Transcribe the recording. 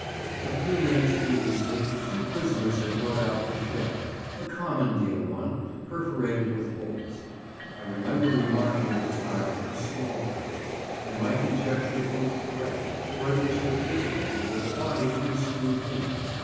A few minutes previously two prisoners had brought out the shell—a common deal one, perforated with holes. I remember remarking at the time how small it looked; and my conjecture proved correct, for it was with difficulty that the body could be squeezed in.